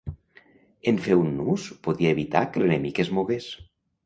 En fer un nus, podia evitar que l'enemic es mogués.